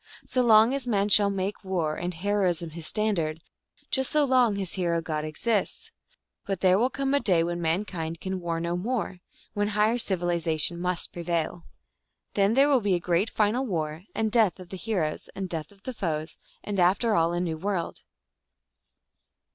So long as man shall make war and heroism his standard, just so long his hero god exists. But there will come a day when mankind can war no more, when higher civilization must prevail. Then there will be a great final war, and death of the he roes, and death of their foes, and after all a new world.